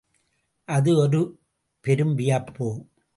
அது ஒரு பெரும் வியப்பு.